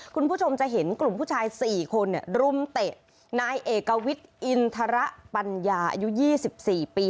คุณผู้ชมจะเห็นกลุ่มผู้ชาย๔คนรุมเตะนายเอกวิทย์อินทรปัญญาอายุ๒๔ปี